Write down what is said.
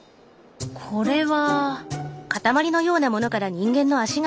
これは。